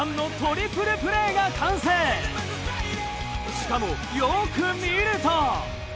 しかもよく見ると。